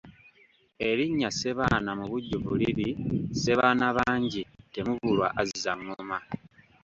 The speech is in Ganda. Erinnya Ssebaana mu bujjuvu liri Ssebaana bangi temubulwa azza ngoma.